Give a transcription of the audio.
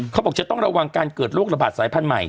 เขาบอกจะต้องระวังการเกิดโรคระบาดสายพันธุ์ใหม่